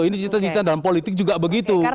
ini cinta cinta dalam politik juga begitu